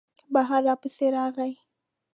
بهر را پسې راغی.